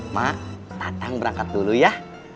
mak tatang berangkat dulu ya